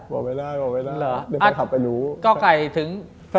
บอกไม่ได้บอกไม่ได้